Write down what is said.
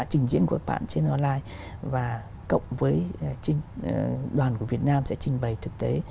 trình diễn của các bạn trên online và cộng với đoàn của việt nam sẽ trình bày thực tế